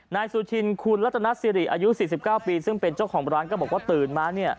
นายสุชินคุณรัตนสิริอายุ๔๙ปีซึ่งเป็นเจ้าของร้านก็บอกว่าตื่นมา